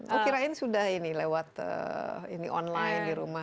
kukirain sudah ini lewat ini online di rumah